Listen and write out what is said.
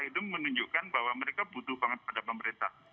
itu menunjukkan bahwa mereka butuh banget pada pemerintah